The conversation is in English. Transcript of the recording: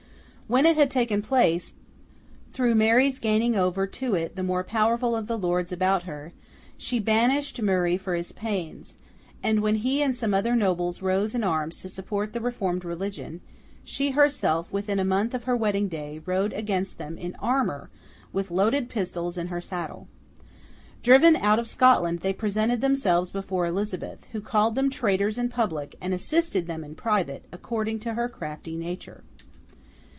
When it had taken place, through Mary's gaining over to it the more powerful of the lords about her, she banished Murray for his pains; and, when he and some other nobles rose in arms to support the reformed religion, she herself, within a month of her wedding day, rode against them in armour with loaded pistols in her saddle. Driven out of Scotland, they presented themselves before Elizabeth—who called them traitors in public, and assisted them in private, according to her crafty nature.